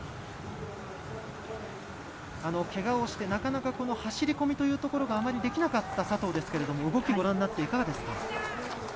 けがをして、なかなか走り込みがあまりできなかった佐藤ですが動きをご覧になっていかがですか。